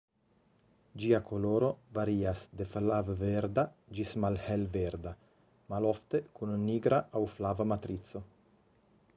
Ĝia koloro varias de flav-verda ĝis malhel-verda, malofte kun nigra aŭ flava matrico.